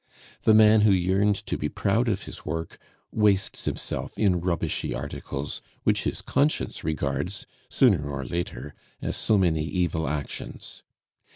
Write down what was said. The man who yearned to be proud of his work wastes himself in rubbishy articles which his conscience regards, sooner or later, as so many evil actions.